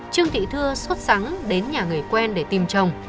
trương thị thưa xuất sẵn đến nhà người quen để tìm chồng